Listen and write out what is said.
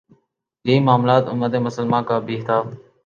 یہی معاملہ امت مسلمہ کا بھی تھا۔